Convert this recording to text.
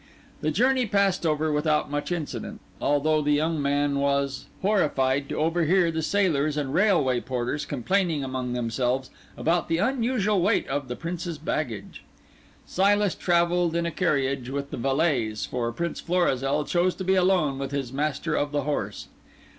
The journey passed over without much incident, although the young man was horrified to overhear the sailors and railway porters complaining among themselves about the unusual weight of the Prince's baggage. Silas travelled in a carriage with the valets, for Prince Florizel chose to be alone with his Master of the Horse.